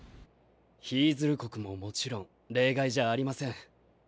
ヒィズル国ももちろん例外じゃありません。